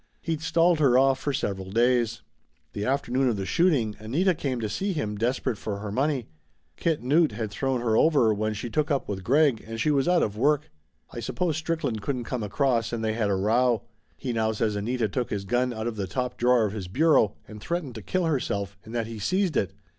He'd stalled her off for several days. The afternoon of the shooting Anita came to see him, desperate for her money. Kit Knute had thrown her over when she took up with Greg, and she was out of work. I suppose Strickland couldn't come across and they had a row. He now says Anita took his gun out of the top drawer of his bureau and threatened to kill herself, and that he seized it.